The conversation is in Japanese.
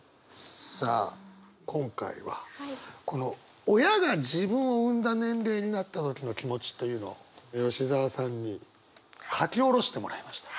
さあ今回はこの親が自分を産んだ年齢になった時の気持ちというのを吉澤さんに書き下ろしてもらいました。